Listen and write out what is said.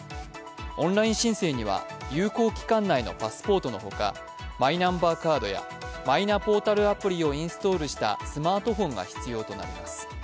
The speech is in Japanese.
オンライン申請には有効期間内のパスポートのほかマイナンバーカードやマイナポータルアプリをインストールしたスマートフォンが必要となります。